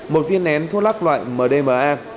một viên nén thuốc lắc loại mdma